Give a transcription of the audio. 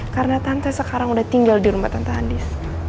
karena tante sekarang udah tinggal di rumah tante andis